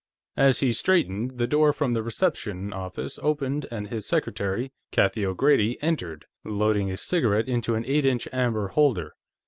As he straightened, the door from the reception office opened and his secretary, Kathie O'Grady, entered, loading a cigarette into an eight inch amber holder.